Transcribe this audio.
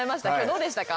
どうでしたか？